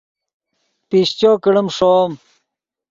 پیشچو کڑیم ݰوم